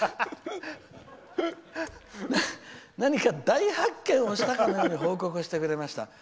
「何か大発見をしたかのように報告をしてくれました。